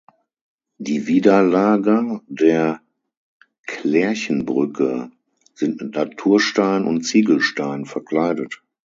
Die Widerlager der "Klärchenbrücke" sind mit Naturstein und Ziegelstein verkleidet.